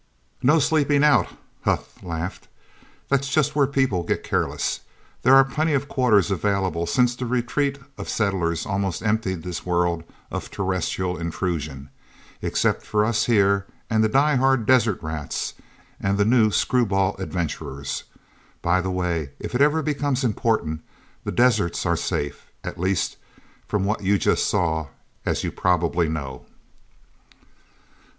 "No sleeping out," Huth laughed. "That's just where people get careless. There are plenty of quarters available since the retreat of settlers almost emptied this world of terrestrial intrusion except for us here and the die hard desert rats, and the new, screwball adventurers... By the way, if it ever becomes important, the deserts are safe at least from what you just saw as you probably know..."